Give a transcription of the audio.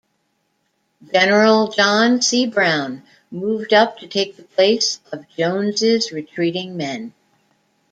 General John C. Brown moved up to take the place of Jones's retreating men.